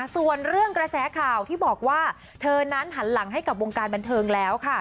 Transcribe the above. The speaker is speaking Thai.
ส่วนเรื่องกระแสข่าวที่บอกว่าเธอนั้นหันหลังให้กับวงการบันเทิงแล้วค่ะ